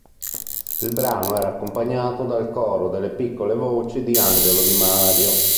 Il brano era accompagnato dal coro delle Piccole Voci di Angelo Di Mario.